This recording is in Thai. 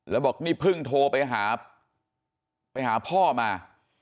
แล้วบอกนี่เพิ่งโทรไปหาไปหาพ่อมา